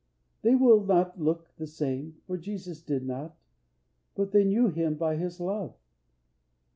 They will not look The same, for Jesus did not, but they knew Him by His love."